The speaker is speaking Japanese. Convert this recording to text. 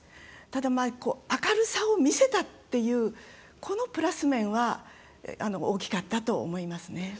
ただ、明るさを見せたっていうこのプラス面は大きかったと思いますね。